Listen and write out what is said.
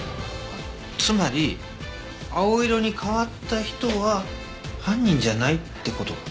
つまり青色に変わった人は犯人じゃないって事だな？